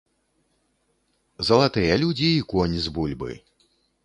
Залатыя людзі і конь з бульбы.